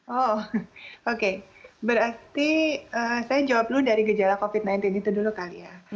oh oke berarti saya jawab dulu dari gejala covid sembilan belas itu dulu kali ya